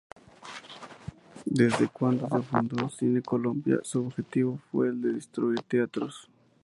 Desde cuando se fundó Cine Colombia, su objetivo fue el de construir teatros.